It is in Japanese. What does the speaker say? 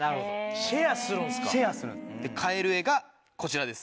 買える絵がこちらです。